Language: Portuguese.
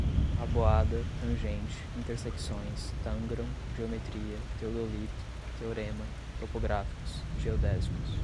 tabuada, tangente, intersecções, tangram, geometria, teodolito, teorema, topográficos, geodésicos